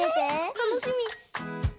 たのしみ！